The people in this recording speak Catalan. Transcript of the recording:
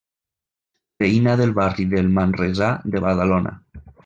Veïna del barri del Manresà de Badalona.